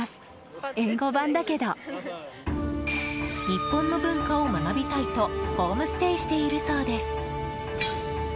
日本の文化を学びたいとホームステイしているそうです。